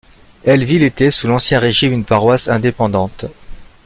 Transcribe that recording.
Elleville était sous l'Ancien Régime une paroisse indépendante.